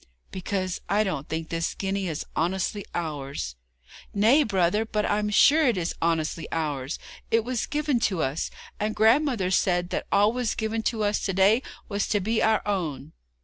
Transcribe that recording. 'Because I don't think this guinea is honestly ours.' 'Nay, brother, but I'm sure it is honestly ours. It was given to us, and grandmother said all that was given to us to day was to be our own.'